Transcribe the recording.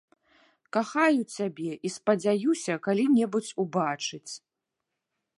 Кахаю цябе і спадзяюся калі-небудзь убачыць.